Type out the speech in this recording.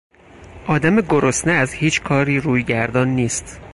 آدم گرسنه از هیچ کاری رویگردان نیست.